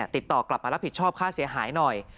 ติดต่อกลับมารับผิดชอบค่าเสียหายหน่อย